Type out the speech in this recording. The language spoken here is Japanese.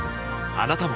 あなたも